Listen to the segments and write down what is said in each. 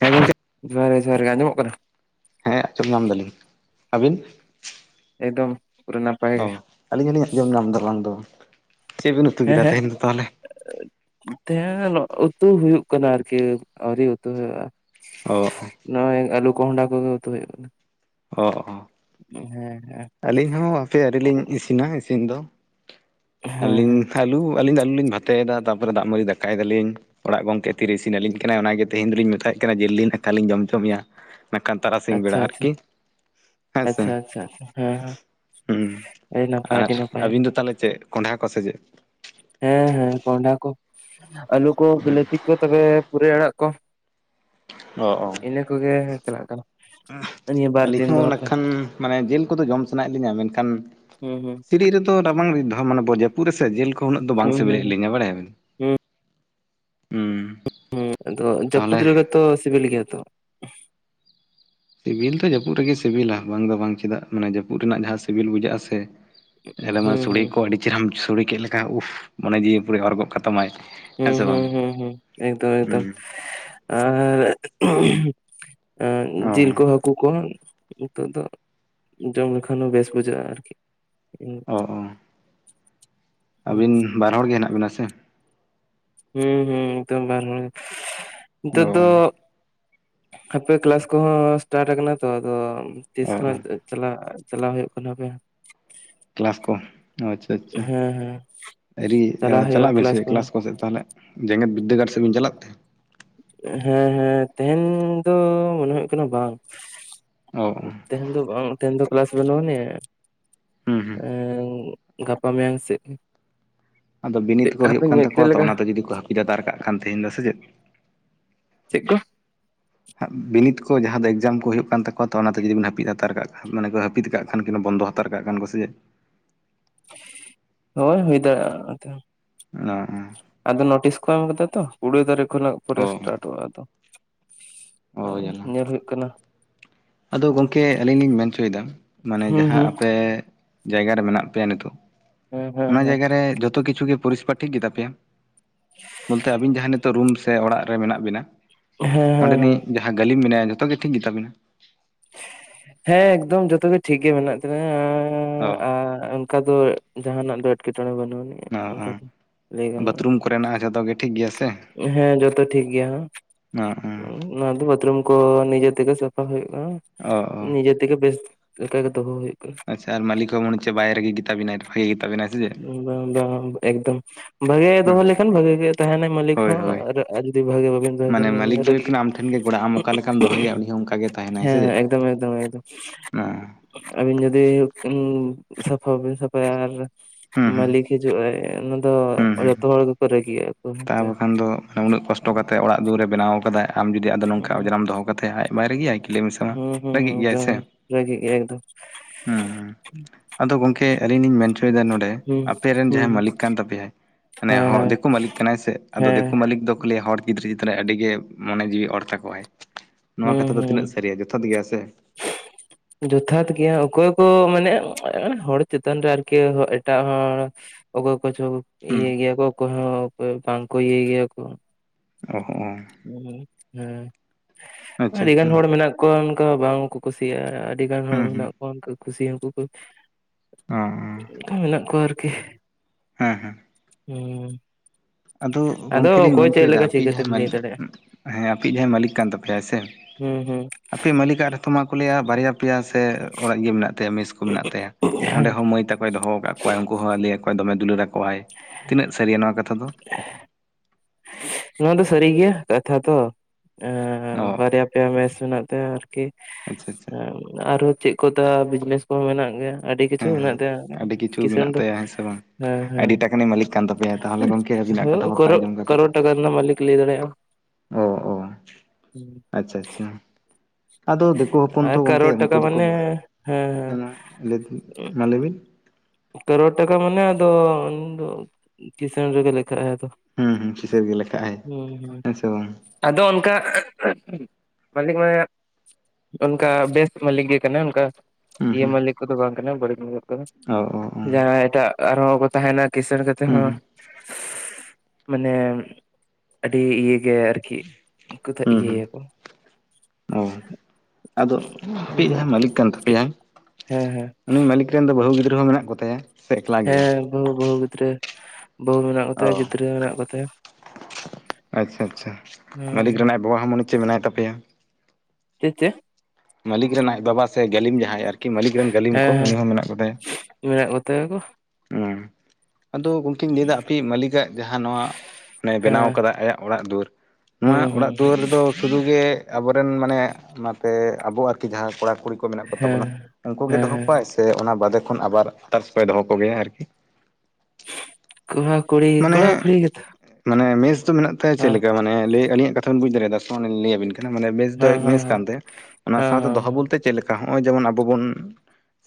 ᱦᱮ ᱜᱚᱝᱠᱮ᱾ ᱡᱚᱦᱟᱨ ᱜᱮ ᱡᱚᱦᱟᱨ ᱜᱮ ᱟᱸᱡᱚᱢᱚᱜ ᱠᱟᱱᱟ᱾ ᱦᱮᱸ ᱟᱪᱚᱢ ᱧᱟᱢ ᱫᱟᱞᱤᱧ ᱟᱹᱵᱤᱱ᱾ ᱮᱫᱚᱢ ᱯᱩᱨᱟᱹ ᱱᱟᱯᱟᱭ ᱜᱮ᱾ ᱚ ᱟᱹᱞᱤᱧ ᱦᱚᱸᱞᱤᱧ ᱟᱡᱚᱢ ᱧᱟᱢ ᱫᱟ ᱵᱟᱝ ᱪᱮᱫ ᱵᱤᱱ ᱩᱛᱩ ᱠᱮᱫᱟ ᱛᱮᱦᱮᱧ ᱫᱚ ᱛᱟᱦᱚᱞᱮ᱾ [unintelligible] ᱛᱮᱱᱚᱜ ᱩᱛᱩ ᱦᱩᱭᱩᱜ ᱠᱟᱱᱟ ᱟᱨᱠᱤ ᱟᱹᱣᱨᱤ ᱩᱛᱩ ᱦᱩᱭᱩᱜᱼᱟ᱾ ᱚ᱾ ᱱᱮᱚᱭᱼ ᱟᱞᱩ ᱠᱚᱦᱚᱱᱴᱟ ᱠᱚᱜᱮ ᱩᱛᱩ ᱦᱩᱭᱩᱜ᱾ᱠᱟᱱᱟ ᱚ ᱦᱮᱸ ᱟᱹᱞᱤᱧ ᱦᱚᱸ ᱦᱟᱯᱮ ᱟᱹᱣᱨᱤ ᱞᱤᱧ ᱤᱥᱤᱱᱟ ᱤᱥᱤᱱ ᱫᱚ᱾ ᱦᱮᱸ ᱟᱹᱞᱤᱧ ᱦᱮᱸ ᱟᱹᱞᱩ ᱟᱹᱞᱤᱧ ᱫᱚ ᱟᱹᱞᱩ ᱞᱤᱧ ᱵᱷᱟᱛᱮᱭ ᱫᱟ ᱛᱟᱨᱯᱚᱨᱮ ᱫᱟᱜ ᱢᱟᱹᱨᱤ ᱫᱟᱠᱟᱭ ᱫᱟᱞᱤᱧ᱾ ᱚᱲᱟᱜ ᱜᱚᱝᱠᱮ ᱛᱤᱨᱮ ᱤᱥᱤᱱ ᱟᱹᱞᱤᱧ ᱠᱟᱱᱟᱭ ᱚᱱᱟᱜᱮ ᱛᱮᱦᱮᱧ ᱫᱚᱞᱤᱧ ᱢᱮᱛᱟᱭ ᱠᱟᱱᱟ ᱡᱤᱞ ᱞᱤᱧ ᱫᱟᱠᱟ ᱞᱤᱧ ᱡᱚᱢ ᱦᱚᱪᱚ ᱢᱮᱭᱟ᱾ ᱢᱮᱱᱠᱷᱟᱱ ᱛᱟᱨᱟᱥᱤᱧ ᱟᱪᱪᱷᱟ ᱵᱮᱲᱟ ᱟᱪᱪᱷᱟ ᱟᱨᱠᱤ- ᱦᱮᱸ ᱥᱮ ᱟᱪᱪᱷᱟ ᱟᱪᱪᱷᱟ ᱟᱪᱪᱷᱟ ᱦᱮᱸ ᱦᱮᱸ ᱦᱩᱸ ᱟᱹᱰᱤ ᱱᱟᱯᱟᱭ ᱟᱨ ᱟᱹᱰᱤ ᱱᱟᱯᱟᱭ ᱟᱹᱵᱤᱱ ᱫᱚ ᱛᱟᱦᱚᱞᱮ ᱪᱮᱫ᱾ ᱠᱚᱸᱰᱷᱟ ᱠᱚ ᱥᱮ ᱡᱮ᱾ ᱦᱮᱸ ᱦᱮᱸ ᱠᱚᱸᱰᱷᱟ ᱠᱚ ᱟᱹᱞᱩ ᱠᱚ ᱵᱤᱞᱟᱹᱛᱤ ᱠᱚ ᱛᱚᱵᱮ ᱯᱩᱨᱟᱹᱭ ᱟᱲᱟᱜ ᱠᱚ᱾ ᱚ ᱚ᱾ ᱤᱱᱟᱹ ᱠᱚᱜᱮ ᱪᱟᱞᱟᱜ ᱠᱟᱱᱟ᱾ ᱱᱤᱭᱟᱹ ᱵᱟᱨ ᱟᱹᱞᱤᱧ ᱫᱤᱱ ᱫᱚ ᱦᱚᱸ ᱦᱟᱯᱮ ᱱᱟᱜᱠᱷᱟᱱ ᱢᱟᱱᱮ ᱡᱤᱞ ᱠᱚᱫᱚ ᱡᱚᱢ ᱥᱟᱱᱟᱭᱮᱜ ᱞᱤᱧᱟ ᱢᱮᱱᱠᱷᱟᱱ- [unintelligible] ᱦᱩᱸ ᱦᱩᱸ ᱛᱳ ᱨᱟᱵᱟᱝ ᱫᱷᱟᱣ ᱢᱟᱱᱮ ᱵᱟ ᱡᱟᱹᱯᱩᱫ ᱨᱮ ᱥᱮ ᱡᱮᱞ ᱠᱚ ᱩᱱᱟᱹᱜ ᱫᱚ ᱵᱟᱝ ᱦᱩᱸ ᱥᱤᱵᱮᱞᱮᱜ ᱦᱩᱸ ᱞᱤᱧᱟ ᱵᱟᱲᱟᱭᱟ ᱵᱤᱱ᱾ ᱦᱩᱸ ᱦᱩᱸ [unintelligible] ᱦᱩᱸ ᱟᱫᱚ ᱡᱟᱹᱯᱩᱫ ᱛᱟᱦᱚᱞᱮ ᱨᱮᱜᱮ ᱛᱚ ᱥᱤᱵᱤᱞ ᱜᱮᱭᱟ ᱛᱚ᱾ ᱥᱤᱵᱤᱞ ᱫᱚ ᱡᱟᱹᱯᱩᱫ ᱨᱮᱜᱮ ᱥᱤᱵᱤᱞᱟ ᱵᱟᱝ ᱫᱚ ᱵᱟᱝ ᱪᱮᱫᱟᱜ ᱢᱟᱱᱮ ᱡᱟᱹᱯᱩᱫ ᱨᱮᱱᱟᱜ ᱡᱟᱦᱟᱸ ᱥᱤᱵᱤᱞ ᱵᱩᱡᱷᱟᱹᱜ-ᱟ ᱥᱮ᱾ ᱦᱮᱞᱮᱢᱟ ᱦᱩᱸ ᱦᱩᱸ ᱥᱩᱲᱮ ᱠᱚ ᱟᱹᱰᱤ ᱪᱮᱦᱨᱟᱢ ᱥᱩᱲᱮ ᱠᱮᱜ ᱞᱮᱠᱟ ᱩᱦ ᱢᱚᱱᱮ ᱡᱤᱣᱤ ᱯᱩᱨᱟᱹ ᱚᱨ ᱜᱚᱜ ᱠᱟᱛᱟᱢᱟᱭ᱾ ᱦᱮᱸ ᱦᱩᱸ ᱥᱮ ᱦᱩᱸ ᱵᱟᱝ ᱦᱩᱸ ᱦᱩᱸ ᱮᱠᱫᱚᱢ ᱮᱠᱫᱚᱢ ᱦᱩᱸ ᱟᱨ- [unintelligible] ᱚ ᱡᱤᱞ ᱠᱚ ᱦᱟᱹᱠᱩ ᱠᱚ᱾ ᱱᱤᱛᱚᱜ ᱫᱚ ᱡᱚᱢ ᱞᱮᱠᱷᱟᱱ ᱦᱚᱸ ᱵᱮᱥ ᱵᱩᱡᱷᱟᱹᱜᱼᱟ ᱟᱨᱠᱤ᱾ ᱦᱩ ᱸ [unintelligible] ᱟᱵᱤᱱ ᱵᱟᱨ ᱦᱚᱲ ᱜᱮ ᱦᱮᱱᱟᱜ ᱵᱤᱱᱟ ᱥᱮ᱾ ᱦᱩᱸ ᱦᱩᱸ ᱱᱤᱛᱚᱝ ᱵᱟᱨ ᱦᱚᱲ [unintelligible] ᱱᱤᱛᱚᱜ ᱚ ᱫᱚ ᱦᱟᱯᱮ ᱠᱞᱟᱥ ᱠᱚᱦᱚᱸ ᱥᱴᱟᱴ ᱠᱟᱱᱟ ᱛᱚ ᱟᱫᱚ ᱛᱤᱥ ᱚ ᱠᱷᱚᱱᱟᱜ ᱪᱟᱞᱟᱜ ᱪᱟᱞᱟᱣ ᱦᱩᱭᱩᱜ ᱠᱟᱱᱟ ᱯᱮ ᱠᱞᱟᱥ ᱠᱚ ᱟᱪᱪᱷᱟ ᱟᱪᱪᱷᱟ ᱦᱮᱸ ᱮᱨᱤ ᱪᱟᱞᱟᱜ ᱟᱵᱮᱱ ᱥᱮ ᱠᱞᱟᱥ ᱠᱚ ᱥᱮᱫ ᱛᱟᱦᱚᱞᱮ ᱡᱮᱸᱜᱮᱛ ᱵᱤᱫᱽᱫᱟᱹᱜᱟᱲ ᱥᱮᱫᱵᱤᱱ ᱪᱟᱞᱟᱜ ᱛᱮ ᱦᱮᱸ ᱦᱮᱸ ᱛᱟᱦᱮᱱ ᱫᱚ ᱢᱚᱱᱮ ᱦᱩᱭᱩᱜ ᱠᱟᱱᱟ ᱵᱟᱝ ᱚ ᱚ ᱛᱮᱦᱮᱧ ᱫᱚ ᱚ ᱛᱮᱦᱮᱧ ᱫᱚ ᱠᱞᱟᱥ ᱵᱟᱱᱩᱜ ᱟᱱᱤᱡ ᱦᱩᱸ ᱦᱩᱸ ᱮᱸ ᱜᱟᱯᱟ ᱢᱮᱭᱟᱝ ᱥᱮᱫ ᱟᱫᱚ ᱵᱤᱱᱤᱛ ᱪᱮᱫ ᱠᱚ ᱦᱩᱭᱩᱜ ᱦᱟᱯᱮᱧ ᱠᱟᱱ ᱪᱮᱫ ᱛᱟᱠᱚᱣᱟ ᱛᱚ ᱞᱮᱠᱟ ᱚᱱᱟᱛᱮ ᱡᱩᱫᱤ ᱠᱚ ᱦᱟᱹᱯᱤᱫ ᱫᱟᱨ ᱠᱟᱜ ᱠᱷᱟᱱ ᱛᱟᱦᱮᱧ ᱫᱚ ᱥᱮ ᱪᱮᱫ ᱪ ᱠᱩ ᱵᱤᱱᱤᱛ ᱠᱚ ᱡᱟᱦᱟᱸ ᱫᱚ ᱮᱠᱡᱟᱢ ᱠᱚ ᱦᱩᱭᱩᱜ ᱠᱟᱱ ᱛᱟᱠᱚᱣᱟ ᱛᱚ ᱚᱱᱟᱛᱮ ᱡᱩᱫᱤᱵᱮᱱ ᱦᱟᱹᱯᱤᱫ ᱦᱟᱛᱟᱨ ᱠᱟᱜ ᱠᱷᱟᱱ ᱢᱟᱱᱮ ᱠᱚ ᱦᱟᱹᱯᱤᱫ ᱠᱟᱜ ᱠᱷᱟᱱ ᱠᱤᱱ ᱵᱚᱱᱫᱚ ᱛᱟᱨ ᱠᱟᱜ ᱠᱷᱟᱱ ᱠᱚ ᱥᱮ ᱪᱮᱜ ᱦᱚᱭ ᱦᱩᱭ ᱫᱟᱲᱮᱭᱟᱜᱼᱟ [unintelligible] ᱚ ᱚ ᱟᱫᱚ ᱱᱳᱴᱤᱥ ᱠᱚ ᱮᱢ ᱠᱟᱫᱟ ᱛᱚ ᱠᱩᱲᱤ ᱛᱟᱹᱨᱤᱠ ᱠᱷᱚᱱᱟᱜ ᱯᱚᱨᱮ ᱚ ᱥᱴᱟᱴᱚᱜᱼᱟ ᱟᱫᱚ ᱟ ᱚ ᱡᱟᱞᱟ ᱧᱮᱞ ᱦᱩᱭᱩᱜ ᱠᱟᱱᱟ ᱟᱫᱚ ᱜᱚᱝᱠᱮ ᱟᱞᱤᱧ ᱞᱤᱧ ᱢᱮᱱ ᱦᱚᱪᱚᱭᱮᱫᱟ ᱢᱟᱱᱮ ᱦᱩᱸ ᱡᱟᱦᱟᱸ ᱦᱩᱸ ᱟᱯᱮ ᱡᱟᱭᱜᱟ ᱨᱮ ᱢᱮᱱᱟᱜ ᱯᱮᱭᱟ ᱱᱤᱛᱚᱜ, ᱦᱮᱸ ᱦᱮᱸ ᱚᱱᱟ ᱦᱮᱸ ᱡᱟᱭᱜᱟ ᱨᱮ ᱡᱚᱛᱚ ᱠᱤᱪᱷᱩ ᱜᱮ ᱯᱚᱨᱤᱥᱠᱟᱨ ᱴᱷᱤᱠ ᱜᱮ ᱛᱟᱯᱮᱭᱟ ᱵᱚᱞᱛᱮ ᱟᱵᱤᱱ ᱡᱟᱦᱟᱸ ᱱᱤᱛᱳᱜ ᱨᱩᱢ ᱥᱮ ᱚᱲᱟᱜ ᱨᱮ ᱢᱮᱱᱟᱜ ᱵᱤᱱᱟ ᱦᱮᱸ ᱦᱮᱸ ᱦᱮᱸ ᱚᱸᱰᱮᱱᱤᱡ ᱡᱟᱦᱟᱸ ᱜᱟᱹᱞᱤᱢ ᱢᱮᱱᱟᱭᱟ ᱡᱷᱚᱛᱚ ᱜᱮ ᱴᱷᱤᱠ ᱜᱮᱛᱟᱵᱤᱱᱟ [unintelligible] ᱦᱮᱸ ᱮᱠᱫᱚᱢ ᱡᱚᱛᱚ ᱜᱮ ᱴᱷᱤᱠ ᱜᱮ ᱢᱮᱱᱟᱜ ᱛᱚᱵᱮ ᱚ ᱮᱸ [unintelligible] ᱚᱱᱠᱟ ᱫᱚ ᱡᱟᱦᱟᱱᱟᱜ ᱫᱚ ᱮᱴᱠᱮᱴᱚᱬᱮ ᱵᱟᱹᱱᱩᱜ ᱟᱹᱱᱤᱡ ᱚᱱᱠᱟ ᱫᱚ [inaudible] ᱞᱟᱹᱭ ᱜᱟᱱᱚᱜᱼᱟ ᱵᱟᱛᱷᱨᱩᱢ ᱠᱚᱨᱮᱱᱟᱜ ᱡᱚᱛᱚ ᱜᱮ ᱴᱷᱤᱠ ᱜᱮᱭᱟ ᱥᱮ ᱦᱮᱸ ᱡᱚᱛᱚ ᱴᱷᱤᱠ ᱜᱮᱭᱟ ᱦᱟᱸᱜ [unintelligible] ᱚᱱᱟ ᱫᱩ ᱵᱟᱛᱷᱨᱩᱢ ᱠᱚ ᱱᱤᱡᱮ ᱛᱮᱜᱮ ᱥᱟᱯᱷᱟ ᱦᱩᱭᱩᱜ ᱠᱟᱱᱟ ᱚ ᱚ ᱱᱤᱡᱮᱛᱮᱜᱮ ᱵᱮᱥ ᱞᱮᱠᱟ ᱜᱮ ᱫᱚᱦᱚ ᱦᱩᱭᱩᱜ ᱠᱟᱱᱟ ᱟᱪᱪᱷᱟ ᱟᱨ ᱢᱟᱹᱞᱤᱠ ᱦᱚᱸ ᱢᱚᱱᱚᱦᱚᱪᱮ ᱵᱟᱭ ᱨᱮᱜᱤ ᱜᱮᱛᱟᱵᱤᱱᱟᱭ ᱵᱷᱟᱜᱤ ᱜᱮᱛᱟᱵᱤᱱᱟᱭ ᱥᱮ ᱪᱤᱛ? ᱵᱟᱝ ᱵᱟᱝ ᱮᱠᱫᱚᱢ ᱵᱷᱟᱜᱮ ᱜᱮ ᱦᱩᱸ ᱫᱚᱦᱚ ᱞᱮᱠᱷᱟᱱ ᱵᱷᱟᱜᱮ ᱜᱮ ᱛᱟᱦᱮᱱᱟᱭ ᱢᱟᱹᱤᱠ ᱦᱳᱭ ᱦᱚᱸ ᱦᱳᱭ ᱟᱨ ᱡᱩᱫᱤ ᱵᱷᱟᱜᱮ ᱵᱟ ᱵᱤᱱ ᱫᱚᱦᱚᱭ ᱠᱷᱟᱱ ᱩᱱᱤ ᱦᱚ ᱨᱟᱹᱜᱤ ᱜᱤ ᱚᱲᱟᱜ ᱟᱢ ᱚᱠᱟ ᱞᱮᱠᱟᱢ ᱫᱚᱦᱚᱭᱮᱭᱟ ᱩᱱᱤ ᱦᱚᱸ ᱚᱱᱠᱟᱜᱮ ᱛᱟᱦᱮᱱᱟᱭ ᱥᱮ ᱦᱮᱸ ᱪᱤᱛ, ᱮᱠᱫᱚᱢ ᱮᱠᱫᱚᱢ ᱮᱠᱫᱚᱢ ᱟᱸ ᱟᱹᱵᱤᱱ ᱡᱩᱫᱤ ᱥᱟᱯᱷᱟ ᱵᱟᱵᱤᱱ ᱥᱟᱯᱷᱟᱭᱟ ᱟᱨ ᱦᱩᱸ ᱦᱩᱸ ᱢᱟᱹᱞᱤᱠ ᱦᱤᱡᱩᱜᱟᱭ᱾ ᱦᱩᱸ ᱦᱩᱸ ᱟᱠᱚ ᱛᱟ ᱦᱮᱸᱥᱮ ᱵᱟᱠᱷᱟᱱ ᱫᱚ ᱩᱱᱟᱹᱜ ᱠᱚᱥᱴᱚ ᱠᱟᱛᱮ ᱚᱲᱟᱜ ᱫᱩᱣᱟᱹᱨᱮ ᱵᱮᱱᱟᱣ ᱠᱟᱫᱟᱭ᱾ ᱟᱢ ᱡᱩᱫᱤ ᱟᱫᱚ ᱦᱩᱸ ᱱᱚᱝᱠᱟ ᱚᱡᱨᱟᱢ ᱫᱚᱦᱚ ᱠᱟᱛᱟᱭᱟ ᱟᱡ ᱵᱟᱭ ᱨᱟᱹᱜᱤ ᱟᱭᱠᱤ᱾ ᱦᱩᱸ ᱦᱩᱸ ᱮᱫᱚᱢ ᱨᱟᱹᱜᱤᱜ ᱜᱮᱭᱟ ᱮᱫᱚᱢ᱾ ᱦᱮᱸ ᱦᱮᱸ ᱟᱫᱚ ᱜᱚᱝᱠᱮ ᱟᱞᱤᱧ ᱞᱤᱧ ᱢᱮᱱ ᱦᱚᱪᱚᱭᱮᱫᱟ ᱱᱚᱸᱰᱮ ᱦᱩᱸ ᱟᱯᱮᱨᱮᱱ ᱦᱩᱸ ᱡᱟᱦᱟᱸᱭ ᱢᱟᱹᱞᱤᱠ ᱠᱟᱱ ᱛᱟᱯᱮᱭᱟᱭ᱾ ᱢᱟᱱᱮ ᱦᱮᱸ ᱦᱚᱸ ᱦᱮᱸ ᱫᱤᱠᱩ ᱢᱟᱹᱞᱤᱠ ᱠᱟᱱᱟᱭ ᱥᱮ ᱟᱫᱚ ᱦᱮᱸ ᱫᱤᱠᱩ ᱢᱟᱹᱞᱤᱠ ᱫᱚ ᱠᱷᱟᱹᱞᱤ ᱦᱚᱲ ᱜᱤᱫᱽᱨᱟᱹ ᱪᱮᱛᱟᱱ ᱨᱮ ᱟᱹᱰᱤᱜᱮ ᱢᱚᱱᱮ ᱡᱤᱣᱤ ᱚᱨ ᱛᱟᱠᱚᱣᱟᱭ᱾ ᱱᱚᱣᱟ ᱦᱩᱸ ᱠᱟᱛᱷᱟ ᱫᱚ ᱦᱩᱸ ᱛᱤᱱᱟᱹᱜ ᱥᱟᱹᱨᱤᱭᱟ ᱡᱚᱛᱷᱟᱛ ᱜᱮᱭᱟ ᱥᱮ᱾ ᱡᱚᱛᱷᱟᱛ ᱜᱮᱭᱟ ᱚᱠᱚᱭ ᱠᱚ ᱢᱟᱱᱮ ᱦᱚᱲ ᱪᱮᱛᱟᱱ ᱨᱮ ᱟᱨᱠᱤ ᱮᱴᱟᱜ ᱦᱚᱲ᱾ ᱚᱠᱚ ᱠᱚᱪᱚ ᱤᱭᱟᱹ ᱦᱩᱸ ᱜᱮᱭᱟ ᱠᱚ ᱚᱠᱚᱪᱚ ᱵᱟᱝᱠᱚ ᱤᱭᱟᱹᱭ ᱜᱮᱭᱟ ᱠᱚ᱾ [unintelligible] ᱚ ᱦᱮᱸ ᱟᱪᱪᱷᱟ ᱟᱹᱰᱤ ᱟᱪᱪᱷᱟ ᱜᱟᱱ ᱦᱚᱲ ᱢᱮᱱᱟᱜ ᱠᱚᱣᱟ ᱚᱱᱠᱟ ᱵᱟᱝᱠᱚ ᱠᱩᱥᱤᱭᱟᱜ-ᱟ᱾ ᱟᱹᱰᱤ ᱜᱟᱱ ᱦᱚᱲ ᱦᱩᱸ ᱦᱩᱸ ᱢᱮᱱᱟᱜ ᱠᱚᱣᱟ ᱩᱱᱠᱩ ᱠᱩᱥᱤ ᱦᱚᱠᱩ ᱠᱩᱥᱤ ᱚᱸ ᱟ ᱢᱮᱱᱟᱜ ᱠᱚᱣᱟ ᱟᱨᱠᱤᱺ ᱦᱮᱸ ᱦᱮᱸ ᱦᱩᱸ ᱟᱫᱚ ᱜᱚᱝᱠᱮ ᱞᱤᱧ ᱚᱠᱚᱭ ᱢᱮᱱ ᱪᱮᱫ ᱪᱚᱭᱫᱟ ᱞᱮᱠᱟ ᱟᱯᱮ ᱪᱤᱠᱟᱹᱛᱮᱢ ᱡᱟᱦᱟᱸᱭ ᱞᱟᱹᱭ ᱢᱟᱞᱤᱠ ᱫᱟᱲᱮᱭᱟᱜᱼᱟ [unintelligible] ᱦᱮᱸ ᱟᱯᱮᱼᱤᱡ ᱡᱟᱦᱟᱸᱭ ᱢᱟᱹᱞᱤᱠ ᱠᱟᱱ ᱛᱟᱯᱮᱭᱟᱭ ᱥᱮ ᱦᱩᱸ ᱦᱩᱸ [unintelligible] ᱠᱚ ᱞᱟᱹᱭᱟ ᱵᱟᱨᱭᱟ ᱯᱮᱭᱟ ᱥᱮ ᱚᱲᱮᱡ ᱜᱮ ᱢᱮᱱᱟᱜ ᱛᱟᱭᱟ ᱢᱮᱥ ᱠᱚ ᱢᱮᱱᱟᱜ ᱛᱟᱭᱟ᱾ ᱚᱸᱰᱮ ᱦᱚᱸ ᱢᱟᱹᱭ ᱛᱟᱠᱚᱭ ᱫᱚᱦᱚᱣ ᱠᱟᱜ ᱠᱚᱣᱟᱭ ᱩᱝᱠᱩ ᱦᱚᱸ ᱞᱟᱹᱭ ᱟᱠᱚ ᱫᱚᱢᱮ ᱫᱩᱞᱟᱹᱲ ᱟᱠᱚᱣᱟᱭ ᱛᱤᱱᱟᱹᱜ ᱥᱟᱹᱨᱤᱭᱟ ᱱᱚᱣᱟ ᱠᱟᱛᱷᱟ ᱫᱚ᱾ ᱱᱚᱶᱟ ᱫᱚ ᱥᱟᱹᱨᱤ ᱜᱮᱭᱟ ᱠᱟᱛᱷᱟ ᱛᱚ᱾ ᱮᱸᱻ ᱚ ᱵᱟᱨᱭᱟ ᱯᱮᱭᱟ ᱢᱮᱥ ᱢᱮᱱᱟᱜ ᱛᱟᱭᱟ ᱟᱨᱠᱤ᱾ ᱟᱪᱪᱷᱟ ᱟᱪᱪᱷᱟ ᱟᱨᱦᱚᱸ ᱪᱮᱫ ᱠᱚᱛᱟ ᱵᱤᱡᱽᱱᱮᱥ ᱠᱚᱦᱚᱸ ᱢᱮᱱᱟᱜ ᱜᱮᱭᱟ᱾ ᱟᱹᱰᱤ ᱠᱤᱪᱷᱩ ᱦᱮᱸ ᱢᱮᱱᱟᱜ ᱦᱮᱸ ᱛᱟᱭᱟ ᱟᱹᱰᱤ ᱠᱤᱪᱷᱩ ᱠᱤᱥᱟᱹᱬ ᱢᱮᱱᱟᱜ ᱫᱚ ᱛᱟᱭᱟ ᱦᱮᱸ ᱥᱮ ᱵᱟᱝ ᱦᱮᱸ ᱦᱮᱸ ᱟᱹᱰᱤ ᱴᱟᱠᱟᱱᱤ ᱢᱟᱹᱞᱤᱠ ᱠᱟᱱ ᱛᱟᱯᱮᱭᱟ ᱛᱟᱦᱚᱞᱮ ᱜᱚᱝᱠᱮ ᱟᱹᱵᱤᱱᱟᱜ ᱠᱟᱛᱷᱟ ᱵᱟᱨᱛᱟ ᱟᱸᱡᱚᱢ ᱠᱟᱛᱮᱫ ᱦᱳ [unintelligible] [unintelligible] ᱢᱟᱞᱤᱠ ᱞᱟᱹᱭ ᱫᱟᱲᱮᱭᱟᱜᱼᱟ᱾ ᱚ ᱚ ᱟᱪᱪᱷᱟ ᱟᱪᱪᱷᱟ, ᱟᱫᱚ ᱫᱤᱠᱩ ᱦᱚᱯᱚᱱ ᱟᱨ ᱛᱚ ᱜᱚᱝᱠᱮ ᱠᱟᱨᱳᱲ ᱩᱱᱠᱩ ᱴᱟᱠᱟ ᱫᱚᱠᱚ ᱢᱟᱱᱮ ᱦᱮᱸ [inaudible] ᱦᱮ ᱦᱮᱸ ᱢᱟ ᱞᱟᱹᱭ ᱵᱤᱱ ᱠᱳᱨᱳᱨ ᱴᱟᱠᱟ ᱢᱟᱱᱮ ᱟᱫᱚ ᱩᱱ ᱫᱚ ᱠᱤᱥᱟᱹᱬ ᱨᱮᱜᱮ ᱞᱮᱠᱷᱟᱜ ᱟᱭ ᱟᱫᱚ᱾ ᱦᱩᱸ ᱦᱩᱸ ᱥᱤᱥᱟᱹᱲ ᱜᱮ ᱞᱮᱠᱷᱟᱜ ᱟᱭ ᱦᱩᱸ ᱦᱩᱸ ᱦᱮᱸ ᱥᱮ ᱵᱟᱝ ᱟᱫᱚ ᱚᱱᱠᱟᱜ [unintelligible] ᱢᱟᱹᱞᱤᱠ ᱢᱟ ᱚᱝᱠᱟ ᱵᱮᱥ ᱢᱟᱹᱞᱤᱠ ᱜᱮ ᱠᱟᱱᱟᱭ ᱚᱝᱠᱟ᱾ ᱦᱩᱸ ᱤᱭᱟᱹ ᱦᱩᱸ ᱢᱟᱹᱞᱤᱠ ᱠᱚᱫᱚ ᱵᱟᱝ ᱠᱟᱱᱟᱭ ᱵᱟᱹᱲᱤᱡ ᱢᱟᱹᱞᱤ ᱠᱚᱫᱚ ᱚ ᱚ ᱚ ᱦᱩᱸ ᱡᱟᱦᱟᱸᱭ ᱮᱴᱟᱜ ᱟᱨᱦᱚᱸ ᱠᱚ ᱛᱟᱦᱮᱸᱱᱟ ᱠᱤᱥᱟᱹᱬ ᱠᱟᱛᱮ ᱦᱚᱸ ᱦᱩᱸ ᱢᱟᱱᱮ ᱟᱹᱰᱤ ᱤᱭᱟᱹ ᱜᱮᱭᱟᱭ ᱟᱨᱠᱤ ᱩᱸᱠᱩᱫᱚᱜ ᱦᱩᱸ ᱦᱩᱸ ᱤᱭᱟᱹᱭᱟ ᱠᱚ ᱚ ᱟᱫᱚᱜ ᱩᱱᱤ ᱟᱯᱮᱤᱡ ᱫᱚ ᱡᱟᱦᱟᱸ ᱢᱟᱹᱞᱤᱠ ᱠᱟᱱ ᱛᱟᱯᱮᱭᱟᱭ ᱦᱮᱸ ᱦᱮᱸ ᱩᱱᱤ ᱢᱟᱹᱞᱤᱠ ᱛᱮᱱ ᱫᱚ ᱵᱟᱹᱦᱩ ᱜᱤᱫᱽᱨᱟᱹ ᱦᱚᱸ ᱢᱮᱱᱟᱜ ᱠᱚ ᱛᱟᱭᱟ᱾ ᱦᱮᱸ ᱵᱟᱹᱦᱩ ᱵᱟᱹᱦᱩ ᱜᱤᱫᱽᱨᱟᱹ ᱵᱟᱹᱦᱩ ᱢᱮᱱᱟᱜ ᱠᱚᱛᱟᱭᱟ ᱚ ᱜᱤᱫᱽᱨᱟᱹ ᱢᱮᱱᱟᱜ ᱠᱚᱛᱟᱭᱟ᱾ ᱟᱪᱪᱷᱟ ᱟᱪᱪᱷᱟ ᱢᱟᱹᱞᱤᱠ ᱦᱮᱸ ᱨᱮᱱ ᱟᱡ ᱵᱟᱵᱟ ᱦᱚᱸ ᱢᱚᱱᱮᱪᱮ ᱢᱮᱱᱟᱭ ᱛᱟᱯᱮᱭᱟ᱾ ᱪᱮᱫ ᱪᱮᱜ ᱢᱟᱹᱞᱤᱠ ᱨᱮᱱ ᱟᱡ ᱵᱟᱵᱟ ᱥᱮ ᱜᱟᱹᱞᱤᱢ ᱡᱟᱦᱟᱸᱭ ᱟᱨᱠᱤ ᱢᱟᱹᱞᱤᱠ ᱨᱮᱱ ᱜᱟᱹᱞᱤᱢ ᱠᱚ ᱦᱮᱸ ᱩᱱᱤ ᱦᱚᱸ ᱢᱮᱱᱟᱜ ᱠᱚᱛᱟᱭᱟ ᱦᱮᱸ ᱢᱮᱱᱟᱜ ᱠᱚᱛᱟᱭᱟ ᱠᱚ ᱛᱤᱧ ᱞᱟᱹᱭᱫᱟ ᱟᱯᱮᱭᱤᱜ ᱢᱟᱹᱞᱤᱠᱟᱜ ᱡᱟᱦᱟ ᱱᱚᱶᱟ ᱱᱮ ᱵᱮᱱᱟᱣ ᱦᱮᱸ ᱠᱟᱫᱟ ᱟᱭᱟᱜ ᱚᱲᱟᱜ ᱫᱩᱣᱟᱹᱨ ᱱᱚᱣᱟ ᱦᱩᱸ ᱦᱩᱸ ᱚᱲᱟᱜ ᱫᱩᱣᱟᱹᱨ ᱨᱮᱫᱚ ᱥᱩᱫᱩ ᱜᱮ ᱟᱵᱚᱨᱮᱱ ᱢᱟᱱᱮ ᱱᱚᱛᱮ ᱟᱵᱚ ᱟᱨᱠᱤ ᱡᱟᱦᱟ ᱠᱚᱲᱟ ᱠᱩᱲᱤ ᱠᱚ ᱠᱚ ᱢᱮᱱᱟᱜ ᱦᱮᱸ ᱠᱚᱛᱟᱵᱚᱱᱟ ᱩᱝᱠᱩ ᱜᱮ ᱦᱮᱸ ᱫᱚᱦᱚ ᱦᱮᱸ ᱠᱚᱣᱟᱭ ᱥᱮ ᱚᱱᱟ ᱵᱟᱫᱮ ᱠᱷᱚᱱ ᱟᱵᱟᱨ ᱟᱫᱟᱨᱥ ᱠᱚᱭ ᱫᱚᱦᱚ ᱠᱚᱜᱮᱭᱟ ᱟᱨᱠᱤ᱾ ᱠᱚᱲᱟ ᱠᱩᱲᱤ ᱠᱚᱲᱟ ᱠᱩᱲᱤ ᱢᱟᱱᱮ ᱜᱮ ᱛᱚ᱾ ᱢᱟᱱᱮ ᱢᱮᱥ ᱫᱚ ᱢᱮᱱᱟᱜ ᱛᱟᱭᱟ ᱪᱮᱫ ᱞᱮᱠᱟ ᱢᱟᱱᱮ ᱞᱟᱹᱭ ᱟᱞᱤᱧᱟᱜ ᱠᱟᱷᱟ ᱵᱤᱱ ᱵᱩᱡ ᱫᱟᱲᱮᱭᱟᱫᱟ ᱛᱚ ᱚᱱᱮ ᱞᱟᱹᱭᱟᱵᱤᱱ ᱠᱟᱱᱟ ᱢᱟᱱᱮ ᱵᱮᱥ ᱫᱚᱭ ᱦᱮᱸ ᱢᱮᱥ ᱦᱮᱸ ᱠᱟᱱ ᱛᱟᱭᱟ ᱚᱱᱟ, ᱥᱟᱶᱛᱮ ᱫᱚᱦᱚ ᱦᱮᱸ ᱵᱚᱞᱛᱮ ᱪᱮᱫ ᱞᱮᱠᱟ ᱱᱚᱜᱼᱚᱭ ᱡᱮᱢᱚᱱ ᱟᱵᱳ ᱵᱳᱱ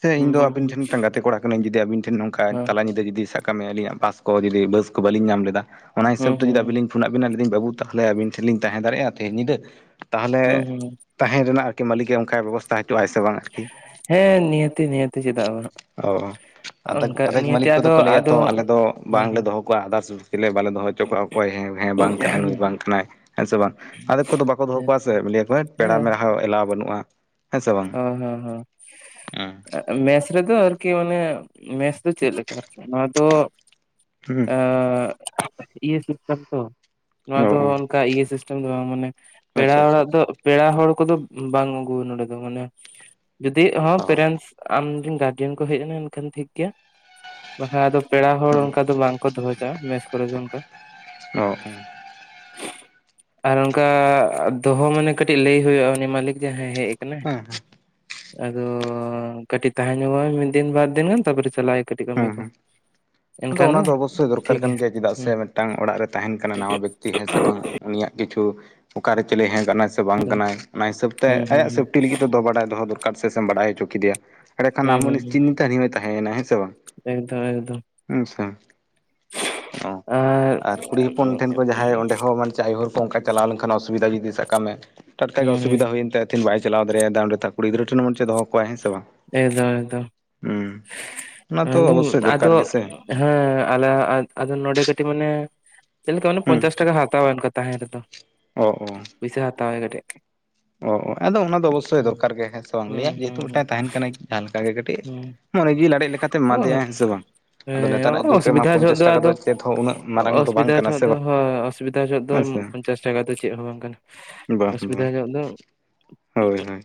ᱥᱮ ᱦᱮᱸ ᱤᱧ ᱦᱮᱸ ᱫᱚ ᱟᱵᱤᱱ ᱦᱮᱸ ᱴᱷᱮᱱ ᱢᱤᱫᱴᱟᱝ ᱜᱟᱛᱮ ᱠᱚᱲᱟ ᱠᱟᱹᱱᱟᱹᱧ ᱡᱩᱫᱤ ᱟᱵᱤᱱ ᱴᱷᱮᱱ ᱱᱚᱝᱠᱟ ᱦᱩᱸ ᱛᱟᱞᱟ ᱧᱤᱫᱟᱹ ᱡᱩᱫ ᱥᱟᱜᱠᱟᱜ ᱢᱮ ᱟᱹᱞᱤᱧᱟᱜ ᱵᱟᱥ ᱠᱚ ᱫᱤ ᱵᱟᱹᱥ ᱠᱚ ᱵᱟᱞᱤᱧ ᱧᱟᱢ ᱞᱮᱫᱟ ᱚᱱᱟ ᱦᱤᱥᱟᱹ ᱦᱩᱸ ᱦᱩᱸ ᱛᱮ ᱡᱩᱫᱤ ᱟᱹᱵᱤᱞᱤᱧ ᱯᱷᱩᱱᱟᱜ ᱵᱤᱱᱟ ᱞᱟᱹᱭᱫᱟᱹᱧ ᱵᱟᱹᱵᱩ ᱛᱟᱦᱞᱮ ᱟᱹᱵᱤᱱ ᱴᱷᱮᱱ ᱞᱤᱧ ᱛᱟᱦᱮᱸ ᱫᱟᱲᱮᱭᱟᱜᱼᱟ ᱛᱮᱦᱮ ᱧᱤᱫᱟᱹ? ᱦᱩᱸ ᱛᱟᱦᱚᱞᱮ ᱦᱩᱸ ᱛᱟᱦᱮᱸᱨᱮᱱᱟᱜ ᱟᱨᱠᱤ ᱢᱟᱹᱞᱤᱠᱮ ᱚᱝᱠᱟᱭ ᱵᱮᱵᱚᱥ ᱛᱟ ᱦᱚᱪᱚᱼᱟᱭ ᱥᱮ ᱵᱟᱝᱟ ᱟᱨᱠᱤ? ᱦᱮᱸ ᱱᱤᱦᱟᱹᱛᱤ ᱱᱤᱦᱟᱹᱛᱤ ᱪᱮᱫᱟᱜ ᱵᱟᱝ ᱟᱫᱮᱠ ᱚᱱᱠᱟ ᱟᱫᱷᱮᱠ ᱱᱤᱭᱟᱹᱛᱮ ᱢᱟᱹᱞᱤᱠ ᱠᱚᱫᱚ ᱟᱫᱚ ᱠᱚ ᱞᱟᱹᱭᱟ ᱟᱫᱚ ᱛᱚ, ᱟᱞᱮ ᱫᱚ ᱵᱟᱝᱞᱮ ᱦᱮᱸ ᱫᱚᱦᱚ ᱠᱚᱣᱟ ᱟᱫᱟᱨᱥ ᱪᱤᱞᱤ ᱦᱚᱸ ᱵᱟᱞᱮ ᱫᱚᱦᱚ ᱦᱚᱪᱚ ᱠᱚᱣᱟ ᱚᱠᱚᱭᱮᱸ ᱦᱮᱸ ᱵᱟᱝ ᱠᱟᱱᱟᱭ ᱱᱩᱭ ᱵᱟᱝ ᱠᱟᱱᱟᱭ ᱦᱮᱸ ᱥᱮ ᱵᱟᱝ᱾ ᱟᱫᱷᱮᱠ ᱠᱚᱫᱚ ᱵᱟᱠᱚ ᱫᱚᱦᱚ ᱦᱮᱸ ᱠᱚᱣᱟ ᱥᱮ, ᱞᱟᱹᱭᱟᱠᱚ ᱦᱟᱹᱴ ᱯᱮᱲᱟ ᱦᱮᱸ ᱢᱮᱲᱟ ᱦᱚᱸ ᱮᱞᱟᱣ ᱵᱟᱹᱱᱩᱜᱼᱟ᱾ ᱦᱮᱸᱥᱮ ᱵᱟᱝ? ᱦᱚᱸ ᱦᱚᱸ ᱦᱚᱸ ᱩᱸ᱾ ᱢᱮᱥ ᱨᱮᱫᱚ ᱟᱨᱠᱤ ᱚᱱᱮ ᱢᱮᱥ ᱫᱚ ᱪᱮᱫ ᱞᱮᱠᱟ ᱟᱨᱠᱤ, ᱱᱚᱣᱟ ᱫᱚ ᱦᱩᱸ ᱮᱻ [unintelligible] ᱦᱩᱸ ᱱᱚᱣᱟ ᱚ ᱫᱚ ᱚ ᱚᱝᱠᱟ ᱥᱤᱥ ᱟᱫᱚ ᱢᱟᱱᱮ ᱯᱮᱲᱟ ᱟᱪᱪᱷᱟ ᱟᱪᱪᱷᱟ ᱚᱲᱟᱜ ᱫᱚ ᱯᱮᱲᱟ ᱦᱚᱲ ᱠᱚᱫᱚ ᱵᱟᱝ ᱟᱹᱜᱩ ᱱᱚᱰᱮ ᱫᱚ ᱢᱟᱱᱮ, ᱡᱩᱫᱤ ᱦᱚᱸ ᱚ ᱯᱮᱨᱮᱱᱥ ᱟᱢ ᱨᱤᱱ ᱜᱟᱨᱡᱮᱱ ᱠᱚ ᱦᱮᱡ ᱮᱱᱟ ᱮᱱᱠᱷᱟᱱ ᱴᱷᱤᱠ ᱜᱮᱭᱟ, ᱵᱟᱠᱷᱟᱡ ᱟᱫᱚ ᱯᱮᱲᱟ ᱦᱚᱲ ᱚᱝᱠᱟ ᱫᱚ ᱵᱟᱝ ᱠᱚ ᱫᱚᱦᱚ ᱪᱚᱜᱟᱼᱟ, ᱢᱮᱥ ᱠᱚᱨᱮ ᱫᱚ ᱚᱱᱠᱟ ᱚᱻᱚ᱾ ᱟᱨ ᱚᱝᱠᱟ ᱫᱳᱦᱳ ᱢᱟᱱᱮ ᱠᱟᱹᱴᱤᱡ ᱞᱟᱹᱭ ᱦᱩᱭᱩᱜᱼᱟ ᱩᱱᱤ ᱢᱟᱹᱞᱤᱠ ᱡᱟᱦᱟᱸᱭ ᱦᱮᱜ ᱦᱮᱸ ᱟᱫᱚᱻ ᱠᱟᱹᱴᱤᱜ ᱛᱟᱦᱮᱸ ᱧᱚᱜᱚᱜᱼᱟᱭ ᱢᱤᱫ ᱫᱤᱱ ᱵᱟᱨ ᱫᱤᱱ ᱜᱟᱱ ᱛᱟᱯᱚᱨᱮ ᱪᱟᱞᱟᱜ ᱟᱭ ᱠᱟᱹᱴᱤᱡ ᱦᱮᱸ ᱠᱟᱹᱢᱤ ᱠᱚ᱾ ᱦᱮᱸ ᱟᱫᱚ ᱚᱱᱟ ᱫᱚ ᱚᱵᱚᱥᱥᱳᱭ ᱫᱚᱨᱠᱟᱨ ᱴᱷᱤᱠ ᱠᱟᱱ ᱜᱮᱭᱟ ᱪᱮᱫᱟᱜ ᱥᱮ ᱦᱩᱸ ᱢᱤᱫᱴᱟᱝ ᱚᱲᱟᱜ ᱨᱮ ᱛᱟᱦᱮᱱ ᱠᱟᱱᱟ ᱱᱟᱣᱟ ᱵᱮᱠᱛᱤ ᱦᱮᱸ ᱥᱮ ᱵᱟᱝ ᱩᱱᱤᱭᱟᱜ ᱠᱤᱪᱷᱩ ᱚᱠᱟᱨᱮ ᱪᱮᱞᱮ ᱦᱮᱸ ᱠᱟᱱᱟᱭ ᱥᱮ ᱵᱟᱝ ᱮᱠᱫᱚᱢ ᱠᱟᱱᱟᱭ, ᱚᱱᱟ ᱦᱤᱥᱟᱹᱵᱽ ᱛᱮ ᱦᱩᱸ ᱦᱩᱸ ᱟᱭᱟᱜ ᱦᱩᱸ ᱥᱮᱯᱴᱤ ᱞᱟᱹᱜᱤᱫ ᱵᱟᱲᱟᱭ ᱫᱚᱦᱚ ᱫᱚᱨᱠᱟᱨ ᱥᱮ ᱥᱮᱢ ᱵᱟᱰᱟᱭ ᱦᱚᱪᱚ ᱠᱮᱫᱮᱭᱟ, ᱮᱸᱲᱮᱠᱷᱟᱱ ᱦᱩᱸ ᱟᱢ ᱦᱩᱸ ᱩᱱᱤ ᱦᱩᱸ ᱰᱤᱱᱨᱮ ᱦᱟᱹᱱᱤ ᱦᱚᱭ ᱛᱟᱦᱮᱸᱭᱮᱱᱟ, ᱦᱮᱸ ᱥᱮ? ᱵᱟᱝ ᱮᱠᱫᱚᱢ ᱮᱠᱫᱚᱢ᱾ ᱦᱮᱸᱥᱮ ᱚ ᱟᱨ ᱠᱩᱲᱤ ᱦᱚᱯᱚᱱ ᱦᱩᱸ ᱴᱷᱮᱱ ᱡᱟᱦᱟᱸᱭ ᱚᱰᱮ ᱦᱚᱸ ᱢᱟᱱᱮ ᱟᱭᱳ ᱦᱚᱲ ᱠᱚ ᱚᱱᱠᱟ ᱪᱟᱞᱟᱣ ᱞᱮᱱᱠᱷᱟᱱ ᱚᱥᱩᱵᱤᱫᱷᱟ ᱡᱩᱫᱤ ᱥᱟᱵ ᱠᱟᱜ ᱢᱮ ᱴᱟᱴᱠᱟ ᱜᱮ ᱦᱩᱸ ᱚᱥᱩᱵᱤᱫᱷᱟ ᱦᱩᱭᱮᱱ ᱛᱟᱭᱟ ᱛᱤᱦᱤᱧ ᱵᱟᱭ ᱪᱟᱞᱟᱣ ᱫᱟᱲᱮᱭᱟᱫᱟ ᱚᱰᱮ ᱠᱩᱲ ᱜᱤᱫᱽᱟᱹ ᱴᱷᱮᱱ ᱢᱚᱱᱮ ᱪᱮ ᱫᱚᱦᱚ ᱠᱚᱣᱟᱭ, ᱦᱮᱸ ᱥᱮ ᱵᱟᱝ? ᱮᱠᱫᱚᱢ ᱮᱠᱫᱚᱢ, ᱦᱩᱸ ᱚᱱᱟ ᱛᱚ ᱫᱚ ᱚᱵᱚᱥᱥᱳᱭ ᱟᱫᱚ ᱫᱚᱨᱠᱟᱨ ᱜᱮᱥᱮ ᱦᱮᱸ ᱟᱞᱮ ᱟᱜ ᱟᱫᱚ ᱠᱟᱹᱴᱤᱜ ᱢᱟᱱᱮ ᱪᱮᱫ ᱞᱮᱠᱟ ᱚᱱᱮ ᱦᱩᱸ ᱯᱚᱧᱪᱟᱥ ᱴᱟᱠᱟ ᱦᱟᱛᱟᱣᱟ ᱚᱱᱠᱟ ᱛᱟᱦᱮᱸ ᱨᱮᱫᱚ᱾ ᱚ ᱚ᱾ ᱯᱩᱭᱥᱟ ᱦᱟᱛᱟᱣᱟᱭ ᱠᱟᱹᱴᱤᱡ᱾ ᱚ ᱚ ᱟᱫᱚ ᱚᱱᱟ ᱫᱚ ᱚᱵᱚᱥᱥᱳᱭ ᱦᱩᱸ ᱫᱚᱨᱠᱟᱨ ᱜᱮᱭᱟ ᱦᱮᱸ ᱥᱮ ᱵᱟᱝ ᱦᱩᱸ ᱩᱱᱤᱭᱟᱜ ᱦᱩᱸ ᱡᱮᱦᱮᱛᱩ ᱦᱩᱸ ᱢᱤᱫᱴᱟᱝ ᱮ ᱛᱟᱦᱮᱱ ᱠᱟᱱᱟᱭ ᱡᱟᱦᱟᱸ ᱞᱮᱠᱟ ᱜᱮ ᱠᱟᱹᱴᱤᱡ ᱦᱩᱸ ᱢᱚᱱᱮ ᱡᱤᱣᱤ ᱞᱟᱲᱮᱡ ᱞᱮᱠᱟᱛᱮᱢ ᱚ ᱮᱢᱟᱫᱮᱭᱟ, ᱦᱮᱸ ᱥᱮ ᱵᱟᱝ? ᱟᱫᱚ ᱱᱮᱛᱟᱨᱟᱜ ᱦᱮᱸ ᱡᱩᱜᱽ ᱨᱮᱢᱟ ᱚᱥᱩᱵᱤᱫᱷᱟ ᱡᱚᱦᱚᱜ ᱯᱚᱧᱪᱟᱥ ᱫᱚ ᱴᱟᱠᱟ ᱟᱫᱚ, ᱪᱮᱫ ᱦᱚᱸ ᱩᱱᱟᱹᱜ ᱢᱟᱨᱟᱝ ᱫᱚ ᱵᱟᱝ ᱚᱥᱩᱵᱤᱫᱷᱟ ᱠᱟᱱᱟ ᱡᱚᱦᱚᱜ ᱥᱮ ᱫᱚ, ᱵᱟᱝ ᱦᱳᱭ ᱚᱥᱩᱵᱤᱫᱷᱟ ᱡᱚᱦᱚᱜ ᱫᱚ, ᱦᱮᱸ ᱥᱮ ᱯᱚᱸᱧᱪᱟᱥ ᱴᱟᱠᱟ ᱫᱚ ᱪᱮᱫ ᱦᱚᱸ ᱵᱟᱝ ᱠᱟᱱᱟ, ᱵᱟᱝ ᱚᱥᱩᱵᱤᱫᱷᱟ ᱵᱟᱝ ᱧᱚᱜ ᱫᱚ ᱦᱳᱭ ᱦᱳᱭ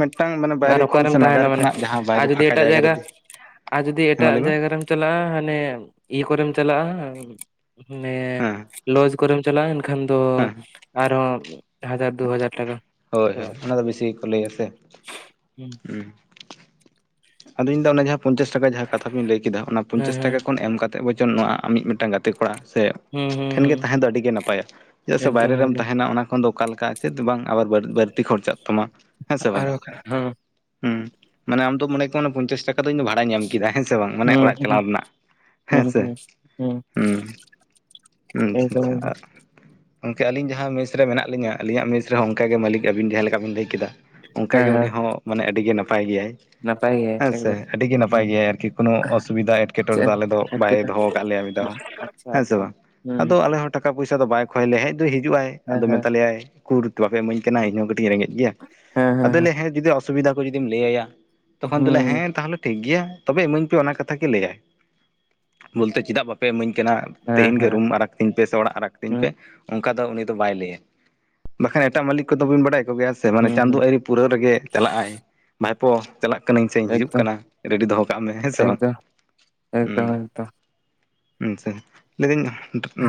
ᱢᱤᱫᱴᱟᱝ ᱢᱟᱱᱮ ᱟᱨ ᱵᱟᱭᱨᱮ ᱠᱷᱚᱱ ᱚᱠᱟᱨᱮᱢ ᱥᱮ ᱱᱟᱜᱟᱨ ᱛᱟᱦᱮᱱᱟ ᱢᱟᱱᱮ ᱠᱷᱚᱱᱟᱜ ᱡᱟᱦᱟᱸ ᱟᱨ ᱵᱟᱭᱨᱮ ᱡᱩᱫᱤ ᱯᱷᱟᱸᱠᱟ ᱮᱴᱟᱜ ᱨᱮ ᱡᱟᱭᱜᱟ, ᱦᱮᱸ ᱟᱨ ᱡᱩᱫᱤ ᱢᱟ ᱮᱴᱟᱜ ᱞᱟᱹᱭ ᱢᱮ ᱡᱟᱭᱜᱟ ᱨᱮᱢ ᱪᱟᱞᱟᱜᱼᱟ ᱦᱟᱱᱮ ᱤᱭᱟᱹ ᱠᱚᱨᱮᱢ ᱪᱟᱞᱟᱜᱼᱟ, ᱢᱟᱱᱮ ᱦᱮᱸ ᱞᱚᱡᱽ ᱠᱚᱨᱮᱢ ᱪᱟᱞᱟᱜᱼᱟ ᱮᱱᱠᱷᱟᱱ ᱫᱚ, ᱦᱮᱸ ᱟᱨᱦᱚᱸ ᱦᱟᱡᱟᱨ ᱫᱩ ᱦᱟᱡᱟᱨ ᱴᱟᱠᱟ ᱦᱳᱭ ᱦᱳᱭ ᱪᱟᱵᱟᱜ ᱛᱟᱢᱟ ᱚᱱᱟᱫᱚ ᱵᱤᱥᱤ ᱜᱮ ᱠᱚ ᱞᱟᱹᱭᱟ ᱥᱮ? ᱦᱩᱸ ᱟᱫᱚ ᱤᱧ ᱫᱚ ᱚᱱᱟ ᱡᱟᱦᱟᱸ ᱯᱚᱧᱪᱟᱥ ᱴᱟᱠᱟ ᱡᱟᱦᱟᱸ ᱠᱟᱛᱷᱟ ᱵᱤᱱ ᱞᱟᱹᱭ ᱠᱮᱫᱟ, ᱚᱱᱟ ᱦᱮᱸ ᱯᱚᱧᱪᱟᱥ ᱦᱮᱸ ᱴᱟᱠᱟ ᱠᱷᱚᱱ ᱮᱢ ᱠᱟᱛᱮ ᱠᱟᱛᱮᱫ ᱵᱚᱪᱚᱱ ᱱᱚᱣᱟ ᱟᱢᱤᱡ ᱢᱤᱫᱴᱟᱝ ᱜᱟᱛᱮ ᱠᱚᱲᱟ ᱥᱮ ᱦᱩᱸ ᱦᱩᱸ ᱴᱷᱮᱱ ᱜᱮ ᱦᱩᱸ ᱛᱟᱦᱮᱸ ᱫᱚ ᱟᱹᱰᱤ ᱜᱮ ᱱᱟᱯᱟᱭᱟ, ᱪᱮᱫᱟᱜ ᱥᱮ ᱮᱠᱫᱚᱢ ᱵᱟᱭᱨᱮ ᱨᱮᱢ ᱮᱠᱫᱚᱢ ᱛᱟᱦᱮᱱᱟ ᱚᱱᱟ ᱠᱷᱚᱱ ᱫᱚ ᱚᱠᱟ ᱞᱮᱠᱟ ᱪᱮᱫ ᱵᱟᱝ ᱟᱵᱟᱨ ᱵᱟᱨ ᱵᱟᱹᱲᱛᱤ ᱠᱷᱚᱨᱪᱟᱜ ᱛᱟᱢᱟ, ᱦᱮᱸ ᱥᱮ ᱟᱨ ᱵᱟᱝ? ᱵᱟᱠᱷᱟᱱ ᱦᱮᱸ ᱦᱮᱸ ᱢᱟᱱᱮ ᱟᱢ ᱫᱚ ᱢᱚᱱᱮ ᱠᱚᱜ ᱢᱮ ᱚᱱᱟ ᱯᱚᱧᱪᱟᱥ ᱴᱟᱠᱟ ᱫᱚ ᱤᱧᱫᱚ ᱵᱷᱟᱲᱟᱧ ᱮᱢ ᱠᱮᱫᱟ, ᱦᱮᱸᱥᱮ ᱵᱟᱝ? ᱢᱟᱱᱮ ᱦᱩᱸ ᱚᱲᱟᱜ ᱪᱟᱞᱟᱣ ᱦᱩᱸ ᱨᱮᱱᱟᱜ᱾ ᱦᱮᱸ ᱦᱩᱸ ᱥᱮ ᱦᱩᱸ ᱦᱩᱸ᱾ ᱟᱪᱪᱷᱟ ᱮᱠᱫᱚᱢ ᱟᱪᱪᱷᱟ, ᱮᱠᱫᱚᱢ ᱟᱨ ᱜᱚᱢᱠᱮ ᱟᱹᱞᱤᱧ ᱡᱟᱦᱟᱸ ᱢᱮᱥ ᱨᱮ ᱢᱮᱱᱟᱜ ᱞᱤᱧᱟᱹ ᱟᱹᱞᱤᱧᱟᱜ ᱢᱮᱥ ᱨᱮᱦᱚᱸ ᱚᱱᱠᱟᱜᱮ ᱢᱟᱹᱞᱤᱠ ᱟᱵᱤᱱ ᱡᱟᱦᱟᱸ ᱞᱮᱠᱟ ᱵᱤᱱ ᱞᱟᱹᱭ ᱠᱮᱫᱟ᱾ ᱦᱮᱸ ᱚᱱᱠᱟᱜᱮ ᱩᱱᱤ ᱦᱮᱸ ᱦᱚᱸ ᱢᱟᱱᱮ ᱟᱹᱰᱤ ᱜᱮ ᱱᱟᱯᱟᱭ ᱜᱮᱭᱟᱭ᱾ ᱱᱟᱯᱟᱭ ᱜᱮ ᱦᱮᱸᱥᱮ ᱮᱠᱫᱚᱢ ᱟᱹᱰᱤ ᱜᱮ ᱦᱮᱸ ᱱᱟᱯᱟᱭ ᱜᱮᱭᱟᱭ ᱟᱨᱠᱤ ᱠᱳᱱᱳ ᱚᱥᱩᱵᱤᱫᱟ ᱮᱸᱴᱠᱮᱴᱚᱬᱮ ᱫᱚ ᱪᱮᱫ ᱟᱞᱮ ᱫᱚ ᱵᱟᱭ ᱮᱴᱠᱮᱴᱚᱬᱮ ᱫᱚᱦᱚ ᱠᱟᱜ ᱞᱮᱭᱟ ᱢᱤᱫ ᱫᱷᱟᱣ ᱦᱚᱸ᱾ ᱟᱪᱪᱷᱟ ᱦᱮᱸ ᱥᱮ ᱟᱪᱪᱷᱟ ᱵᱟᱝ ᱦᱩᱸ ᱟᱫᱚ ᱟᱞᱮ ᱦᱚᱸ ᱴᱟᱠᱟ ᱯᱚᱭᱥᱟ ᱫᱚ ᱵᱟᱭ ᱠᱷᱚᱭ ᱞᱮᱭᱟ ᱦᱮᱡ ᱫᱚ ᱦᱤᱡᱩᱜ ᱟᱭ ᱦᱮᱸ ᱟᱫᱚ ᱦᱮᱸ ᱢᱮᱛᱟᱞᱮᱭᱟᱭ ᱩᱠᱩᱨ ᱛᱚ ᱵᱟᱯᱮ ᱤᱢᱟᱹᱧ ᱠᱟᱱᱟ ᱤᱧ ᱦᱚᱸ ᱠᱟᱹᱴᱤᱡ ᱤᱧ ᱨᱮᱜᱮᱡ ᱜᱮᱭᱟ ᱟᱫᱚᱭ ᱞᱮᱭᱟ ᱦᱮᱸ ᱡᱩᱫᱤ ᱚᱥᱩᱵᱤᱫᱟ ᱠᱚ ᱡᱩᱫᱤᱢ ᱞᱟᱹᱭᱟᱭᱟ ᱛᱚᱠᱷᱚᱱ ᱫᱚᱞᱮ ᱦᱩᱸ ᱦᱮᱸ ᱛᱟᱦᱚᱞᱮ ᱴᱷᱤᱠ ᱜᱮᱭᱟ ᱛᱚᱵᱮ ᱤᱢᱟᱹᱧ ᱯᱮ ᱚᱱᱟ ᱠᱟᱛᱷᱟ ᱜᱮ ᱞᱟᱹᱭᱟᱭ ᱵᱚᱞᱛᱮ ᱪᱮᱫᱟᱜ ᱵᱟᱯᱮ ᱤᱢᱟᱹᱧ ᱠᱟᱱᱟ ᱦᱮᱸ ᱛᱮᱦᱤᱧ ᱜᱮ ᱦᱮᱸ ᱨᱩᱢ ᱟᱲᱟᱜ ᱛᱤᱧ ᱯᱮ ᱥᱮ ᱚᱲᱟᱜ ᱟᱲᱟᱜᱽ ᱛᱤᱧ ᱦᱩᱸ ᱯᱮ ᱚᱱᱠᱟ ᱫᱚ ᱩᱱᱤ ᱫᱚ ᱵᱟᱭ ᱞᱟᱹᱭᱟ ᱵᱟᱠᱷᱟᱱ ᱮᱴᱟᱜ ᱢᱟᱹᱞᱤᱠ ᱠᱚᱫᱚ ᱵᱤᱱ ᱵᱟᱲᱟᱭ ᱠᱚᱜᱮᱭᱟ ᱥᱮ ᱢᱟᱱᱮ ᱪᱟᱸᱫᱳ ᱦᱩᱸ ᱟᱣᱨᱤ ᱯᱩᱨᱟᱹᱣ ᱨᱮᱜᱮ ᱪᱟᱞᱟᱜᱼᱟᱭ ᱵᱷᱟᱭᱯᱚ ᱪᱟᱞᱟᱜ ᱠᱟᱹᱱᱟᱹᱧ ᱥᱮᱧ ᱦᱤᱡᱩᱜ ᱮᱠᱫᱚᱢ ᱠᱟᱱᱟ ᱨᱮᱰᱤ ᱫᱚᱦᱚ ᱠᱟᱜ ᱢᱮ ᱦᱮᱸ ᱥᱮ ᱵᱟᱝ ᱮᱠᱫᱚᱢ ᱦᱩᱸ ᱮᱠᱫᱚᱢ [inaudible] ᱮᱠᱫᱚᱢ [inaudible] ᱞᱟᱹᱭᱫᱟᱹᱧ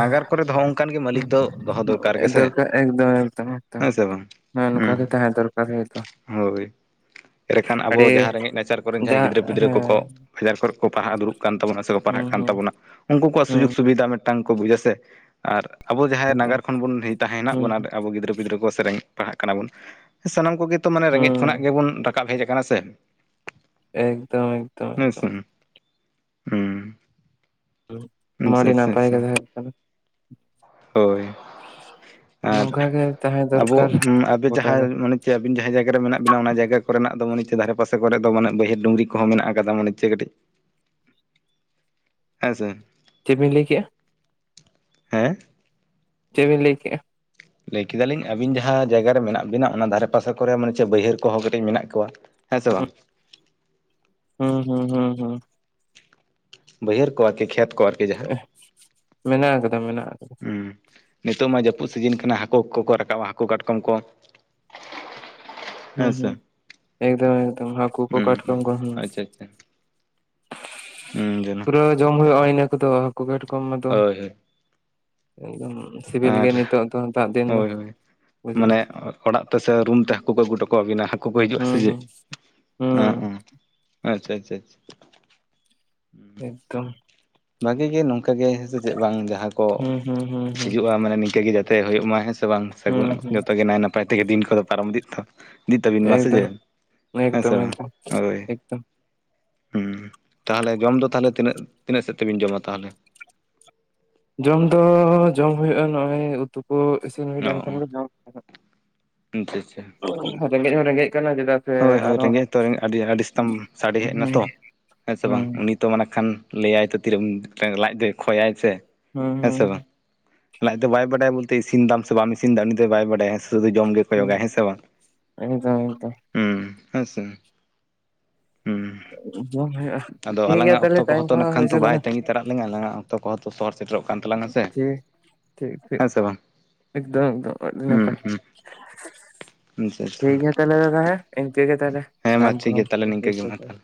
ᱱᱟᱜᱟᱨ ᱠᱚᱨᱮ ᱫᱚ ᱱᱚ ᱚᱱᱠᱟᱱ ᱜᱮ ᱢᱟᱹᱞᱤᱠ ᱫᱚ ᱫᱚᱦᱚ ᱫᱚᱨᱠᱟᱨ ᱜᱮᱥᱮ ᱮᱠᱫᱚᱢ ᱮᱠᱫᱚᱢ ᱮᱠᱫᱚᱢ ᱦᱮᱸ ᱥᱮ ᱵᱟᱝ ᱦᱮᱸ ᱱᱚᱝᱠᱟ ᱜᱮ ᱦᱩᱸ ᱛᱟᱦᱮᱸ ᱫᱚᱨᱠᱟᱨ ᱦᱮᱸ ᱛᱚ ᱦᱳᱭ ᱮᱲᱮᱠᱷᱟᱱ ᱟᱵᱚ ᱡᱟᱦᱟᱸ ᱨᱮᱸᱜᱮᱡ ᱱᱟᱪᱟᱨ ᱠᱚᱨᱮᱱ ᱡᱟᱦᱟᱸᱭ ᱜᱤᱫᱽᱨᱟᱹ ᱡᱟᱦᱟᱸ ᱯᱤᱫᱽᱨᱟᱹ ᱠᱚ ᱠᱚ ᱵᱟᱡᱟᱨ ᱠᱚᱨᱮ ᱠᱚ ᱯᱟᱲᱦᱟᱜ ᱫᱩᱲᱩᱵ ᱠᱟᱱ ᱛᱟᱵᱚᱱᱟ ᱥᱮᱠᱚ ᱯᱟᱲᱦᱟᱜ ᱦᱮᱸ ᱦᱩᱸ ᱠᱟᱱ ᱦᱩᱸ ᱛᱟᱵᱚᱱᱟ ᱩᱱᱠᱩ ᱠᱚᱣᱟᱜ ᱦᱩᱸ ᱥᱩᱡᱳᱜᱽ ᱥᱩᱵᱤᱫᱷᱟ ᱢᱤᱫᱴᱟᱝ ᱠᱚ ᱵᱩᱡᱟ ᱥᱮ ᱟᱨ ᱟᱵᱚ ᱡᱟᱦᱟᱸᱭ ᱮᱠᱫᱚᱢ ᱱᱟᱜᱟᱨ ᱠᱷᱚᱱ ᱵᱚᱱ ᱛᱟᱦᱮᱸ ᱦᱮᱱᱟᱜ ᱵᱚᱱᱟ ᱦᱩᱸ ᱟᱵᱚ ᱜᱤᱫᱽᱨᱟᱹ ᱯᱤᱫᱽᱨᱟᱹ ᱠᱚ ᱥᱮᱨᱮᱧ ᱯᱟᱲᱦᱟᱜ ᱠᱟᱱᱟ ᱵᱚᱱ ᱥᱟᱱᱟᱢ ᱠᱚᱜᱮ ᱛᱚ ᱢᱟᱱᱮ ᱨᱮᱸᱜᱮᱡ ᱠᱷᱚᱱᱟᱜ ᱦᱩᱸ ᱜᱮᱵᱚᱱ ᱨᱟᱠᱟᱵ ᱦᱮᱡ ᱟᱠᱟᱱᱟ ᱥᱮ ᱮᱠᱫᱚᱢ ᱮᱠᱫᱚᱢ ᱮᱠᱫᱚᱢ ᱦᱮᱸᱥᱮ ᱦᱩᱸ ᱱᱚᱣᱟ ᱟᱪᱪᱷᱟ ᱟᱹᱰᱤ ᱟᱪᱪᱷᱟ ᱱᱟᱯᱟᱭ ᱟᱪᱪᱷᱟ ᱠᱟᱛᱷᱟ ᱦᱩᱭᱩᱜ ᱠᱟᱱᱟ [inaudible] ᱦᱳᱭ ᱟᱨ ᱱᱚᱝᱠᱟ ᱜᱮ ᱛᱟᱦᱮᱸ ᱟᱵᱚ ᱫᱚᱨᱠᱟᱨ ᱟᱵᱮ ᱜᱚᱴᱟ ᱜᱮ ᱡᱟᱦᱟᱸᱭ ᱢᱟᱱᱮ ᱪᱮ ᱟᱹᱵᱤᱱ ᱡᱟᱦᱟᱸ ᱡᱟᱭᱜᱟ ᱨᱮ ᱢᱮᱱᱟᱜ ᱵᱤᱱᱟ ᱚᱱᱟ ᱡᱟᱭᱜᱟ ᱠᱚᱨᱮᱱᱟᱜ ᱫᱚ ᱢᱟᱱᱮ? ᱪᱮ ᱫᱷᱟᱨᱮ ᱯᱟᱥᱮ ᱠᱚᱨᱮ ᱫᱚ ᱢᱟᱱᱮ ᱵᱟᱹᱭᱦᱟᱹᱲ ᱰᱩᱝᱨᱤ ᱠᱚᱦ ᱢᱮᱱᱟᱜ ᱟᱠᱟᱫᱟ ᱢᱟᱱᱮ ᱪᱮᱫ ᱠᱟᱹᱴᱤᱡ। ᱦᱮᱸ ᱥᱮ ᱪᱮᱫᱵᱤᱱ ᱞᱟᱹᱭ ᱠᱮᱫᱼᱟ? [inaudible] ᱦᱮᱸ ᱪᱮᱫᱵᱤᱱ ᱞᱟᱹᱭ ᱠᱮᱜᱼᱟ? ᱞᱟᱹᱭ ᱠᱮᱫᱟᱞᱤᱧ ᱟᱹᱵᱤᱱ ᱡᱟᱦᱟᱸ ᱡᱟᱭᱜᱟ ᱨᱮ ᱢᱮᱱᱟᱜ ᱵᱤᱱᱟ ᱚᱱᱟ ᱫᱷᱟᱨᱮ ᱯᱟᱥᱮ ᱠᱚᱨᱮ ᱢᱟᱱᱮ ᱪᱮᱫ ᱵᱟᱹᱭᱦᱟᱹᱲ ᱠᱚᱦᱚᱸ ᱠᱟᱹᱴᱤᱡ ᱢᱮᱱᱟᱜ ᱠᱚᱣᱟ? ᱦᱮᱸ ᱥᱮ ᱦᱩᱸ ᱵᱟᱝ ᱦᱩᱸ ᱦᱩᱸ ᱦᱩᱸ ᱦᱩᱸ ᱵᱟᱹᱭᱦᱟᱹᱲ ᱠᱚ ᱟᱨᱠᱤ ᱠᱷᱮᱛ ᱠᱚ ᱟᱨᱠᱤ ᱡᱟᱦᱟᱸ ᱮᱦᱻ ᱢᱮᱱᱟᱜ ᱠᱟᱫᱟ ᱢᱮᱱᱟᱜ ᱟᱠᱟᱫᱟ। ᱦᱩᱸ ᱱᱤᱛᱚᱜ ᱢᱟ ᱡᱟᱹᱯᱩᱫ ᱥᱤᱡᱤᱱ ᱠᱟᱱᱟ ᱦᱟᱹᱠᱩ ᱠᱚᱠᱚ ᱨᱟᱠᱟᱵ ᱟ ᱦᱟᱹᱠᱩ ᱠᱟᱴᱠᱚᱢ ᱠᱚ। ᱦᱮᱸ ᱦᱩᱸ ᱦᱩᱸ ᱥᱮ ᱮᱠᱫᱚᱢ ᱮᱠᱫᱚᱢ ᱦᱟᱹᱠᱩ ᱠᱚ ᱦᱩᱸ ᱠᱟᱴᱠᱚᱢ ᱠᱚ ᱦᱩᱸ। ᱟᱪᱪᱷᱟ ᱟᱪᱪᱷᱟ ᱦᱩᱸ ᱡᱮᱱᱚ ᱯᱩᱨᱟᱹ ᱡᱚᱢ ᱦᱩᱭᱩᱜᱼᱟ ᱤᱱᱟᱹ ᱠᱚᱫᱚ ᱦᱟᱹᱠᱩ ᱜᱮᱴᱠᱚᱢ ᱟᱫᱚ। ᱦᱳᱭ ᱦᱳᱭ ᱮᱠᱫᱚᱢ ᱥᱤᱵᱤᱞ ᱜᱮ ᱟᱨ ᱱᱤᱛᱚᱜ ᱫᱚ ᱫᱟᱜ ᱫᱤᱱ ᱫᱚ ᱦᱳᱭ ᱦᱳᱭ ᱵᱩᱡᱷᱟᱹᱜᱼᱟ। ᱢᱟᱱᱮ ᱚᱲᱟᱜ ᱛᱮ ᱥᱮ ᱨᱩᱢ ᱛᱮ ᱦᱟᱹᱠᱩ ᱠᱚ ᱟᱹᱜᱩ ᱦᱚᱴᱚ ᱠᱚᱣᱟᱵᱤᱱᱟ ᱦᱟᱹᱠᱩ ᱠᱚ ᱦᱤᱡᱩᱜᱼᱟ ᱥᱮ ᱦᱩᱸ ᱦᱩᱸ ᱪᱮᱫᱸ। ᱦᱩᱸ [inaudible] ᱟᱪᱪᱷᱟ ᱟᱪᱷᱟ ᱟᱪᱷᱟ ᱮᱠᱫᱚᱢ ᱵᱷᱟᱜᱤ ᱜᱮ ᱱᱚᱝᱠᱟ ᱜᱮ ᱦᱮᱸ ᱥᱮ ᱪᱮᱫ ᱵᱟᱝ ᱡᱟᱦᱟᱸ ᱠᱚ ᱦᱩᱸ ᱦᱩᱸ ᱦᱩᱸ ᱦᱩᱸ ᱦᱤᱡᱩᱜᱼᱟ ᱢᱟᱱᱮ ᱱᱤᱝᱠᱟᱹᱮ ᱡᱟ ᱼᱼ ᱛᱮ ᱦᱩᱭᱩᱜ ᱢᱟ ᱦᱮᱸ ᱥᱮ ᱵᱟᱝ ᱦᱩᱸ ᱥᱟᱹᱜᱩᱱ ᱦᱩᱸ ᱡᱚᱛᱚᱜᱮ ᱱᱟᱭ ᱱᱟᱯᱟᱭ ᱛᱮᱜᱮ ᱫᱤᱱ ᱠᱚᱫᱚ ᱯᱟᱨᱚᱢ ᱤᱫᱤᱜ ᱛᱚ ᱼᱼ ᱤᱫᱤ [inaudible] ᱛᱟᱹᱵᱤᱱ ᱢᱟᱥᱮ ᱪᱮ ᱮᱠᱫᱚᱢ ᱦᱮᱸ ᱥᱮ ᱮᱠᱫᱚᱢ ᱵᱟᱝ ᱮᱠᱫᱚᱢ ᱦᱳᱭ᱾ ᱮᱠᱫᱚᱢ ᱦᱮᱸ ᱛᱟᱦᱞᱮ ᱡᱚᱢ ᱫᱚ ᱛᱟᱦᱞᱮ ᱛᱤᱱᱟᱹᱜ ᱛᱤᱱᱟᱹᱜ ᱥᱮᱫ ᱛᱮᱵᱤᱱ ᱡᱚᱢᱟ ᱛᱟᱦᱞᱮ? ᱡᱚᱢ ᱫᱚ ᱡᱚᱢ ᱦ ᱦᱩᱭᱩᱜᱼᱟ ᱱᱚᱜᱼᱚᱭ ᱼᱼ ᱩᱛᱩ ᱠᱚ ᱤᱥᱤᱱ ᱦᱤᱭ ᱚ ᱞᱮᱱᱠᱷᱟᱱ ᱜᱮ ᱡᱚᱢ ᱜᱟᱱᱚᱜ ᱟᱪᱪᱷᱟ ᱟᱪᱪᱷᱟ [inaudible] ᱨᱮᱸᱜᱮᱡ ᱦᱚᱸ ᱨᱮᱸᱜᱮᱡ ᱠᱟᱱᱟ᱾ ᱡᱮᱫᱟᱜ [unintelligible] ᱦᱳᱭ ᱦᱳᱭ ᱨᱮᱸᱜᱮᱡ ᱛᱚ ᱟᱹᱰᱤ ᱟᱹᱰᱤ ᱥᱟᱛᱟᱢ ᱥᱟᱰᱮ ᱦᱩᱸ ᱦᱮᱡ ᱮᱱᱟ ᱛᱚ᱾ ᱦᱮᱸ ᱥᱮ ᱵᱟᱝ ᱦᱩᱸ ᱩᱱᱤ ᱼᱼ ᱛᱚ ᱢᱟᱱᱮ ᱠᱷᱟᱱ ᱞᱟᱹᱭᱟᱭ ᱛᱚ ᱛᱤᱨᱮ ᱞᱟᱡ ᱫᱚ ᱠᱷᱚᱭᱟᱭ ᱥᱮ ᱦᱩᱸ ᱦᱮᱸ ᱥᱮ ᱵᱟᱝ ᱦᱩᱸ ᱞᱟᱡ ᱫᱚ ᱵᱟᱭ ᱵᱟᱰᱟᱭᱟ ᱵᱚᱞᱛᱮ ᱤᱥᱤᱱ ᱫᱟᱢ ᱥᱮ ᱵᱟᱢ ᱤᱥᱤᱱᱫᱟ ᱩᱱᱤᱫ ᱫᱚ ᱵᱟᱭ ᱵᱟᱰᱟᱭᱟ ᱥᱩᱫᱩ ᱡᱚᱢ ᱜᱮ ᱦᱩᱸ ᱠᱚᱭᱚᱜᱟᱭ᱾ ᱦᱮᱸ ᱥᱮ ᱵᱟᱝ? ᱮᱠᱫᱚᱢ [inaudible] ᱦᱩᱸ ᱦᱮᱸ ᱥᱮ ᱦᱮᱸ ᱡᱚᱢ ᱦᱩᱭᱩᱜᱼᱟ ᱟᱫᱚ ᱴᱷᱤᱠ ᱜᱮᱭᱟ ᱟᱞᱟᱝᱟᱜ ᱛᱟᱦᱚᱞᱮ ᱚᱠᱛᱚ ᱴᱟᱭᱤᱢ ᱠᱚᱦᱛᱚ ᱠᱚᱦᱚᱸ ᱱᱟᱠᱷᱟᱱ ᱦᱩᱭ ᱛᱚ ᱥᱟᱹᱛ ᱵᱟᱭ ᱮᱱᱟ ᱛᱟᱸᱜᱤ ᱥᱮᱴᱮᱨᱟᱜ ᱞᱟᱧᱟ ᱟᱞᱝᱟᱜ ᱚᱠᱛᱚ ᱠᱚᱦᱚᱸ ᱛᱚ ᱥᱚᱦᱚᱨ ᱥᱮᱴᱮᱨᱚᱜ ᱠᱟᱱ ᱛᱟᱞᱟᱝᱟ ᱥᱮ᱾ ᱴᱷᱤᱠ ᱴᱷᱤᱠ ᱦᱮᱸ ᱥᱮ ᱵᱟᱝ ᱮᱠᱫᱚᱢ ᱮᱠᱫᱚᱢ ᱟᱹᱰᱤ ᱦᱩᱸ ᱱᱟᱯᱟᱭ। ᱦᱩᱸ ᱟᱪᱪᱷᱟ ᱴᱷᱤᱠ ᱟᱪᱪᱷᱟ ᱜᱮᱭᱟ ᱛᱟᱦᱞᱮ ᱫᱟᱫᱟ ᱦᱮᱸ ᱤᱱᱠᱟᱹ ᱜᱮ ᱛᱟᱦᱞᱮ ᱦᱮᱸ ᱢᱟ ᱴᱟᱭᱤᱢ ᱴᱷᱤᱠ ᱠᱚᱦᱚᱸ ᱜᱮᱭᱟ ᱛᱟᱦᱚᱞᱮ ᱱᱤᱝᱠᱟᱹ ᱦᱩᱭ ᱜᱮ ᱥᱟᱹᱛ ᱢᱟ ᱮᱱᱟ ᱛᱟᱦᱚᱞᱮ [inaudible]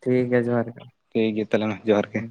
ᱴᱷᱤᱠ ᱜᱮᱭᱟ ᱡᱚᱦᱟᱨ ᱜᱮ। ᱴᱷᱤᱠ ᱜᱮᱭᱟ ᱛᱟᱦᱚᱞᱮ ᱢᱟ ᱡᱚᱦᱟᱨ ᱜᱮ।